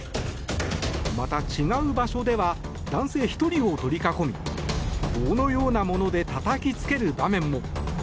また、違う場所では男性１人を取り囲み棒のようなものでたたきつける場面も。